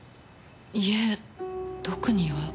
いえ特には。